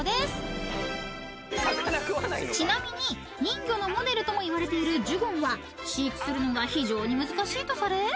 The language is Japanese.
［ちなみに人魚のモデルともいわれているジュゴンは飼育するのが非常に難しいとされ］